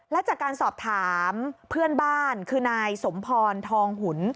และจากการสอบถามเพื่อนบ้านคือนายสมพรทองหุ่น